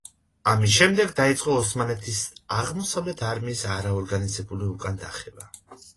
ამის შემდეგ დაიწყო ოსმალეთის აღმოსავლეთ არმიის არაორგანიზებული უკან დახევა.